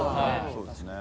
そうですね。